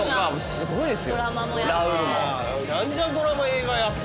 すごいです。